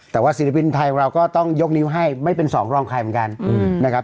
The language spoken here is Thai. แต่ว่าศิลปินไทยเราก็ต้องยกนิ้วให้ไม่เป็นสองรองใครเหมือนกันนะครับ